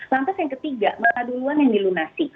lantas yang ketiga maka duluan yang dilunasi